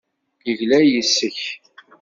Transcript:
Yegla yes-k.